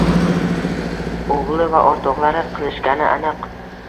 O`g`li va o`rtoqlari qilishgani aniq